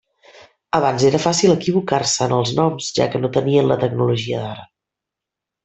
Abans era fàcil equivocar-se en els noms, ja que no tenien la tecnologia d'ara.